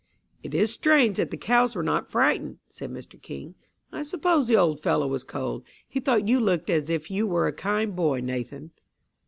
"It is strange that the cows were not frightened," said Mr King. "I suppose the old fellow was cold. He thought you looked as if you were a kind boy, Nathan."